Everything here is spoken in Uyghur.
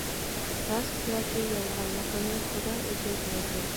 راست ياكى يالغانلىقىنى خۇدا ئۆزى بىلىدۇ.